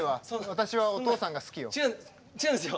私はお父さんが好きよ。